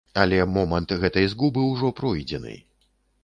Але момант гэтай згубы ўжо пройдзены.